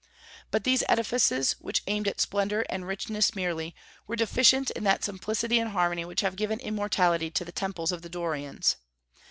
But these edifices, which aimed at splendor and richness merely, were deficient in that simplicity and harmony which have given immortality to the temples of the Dorians.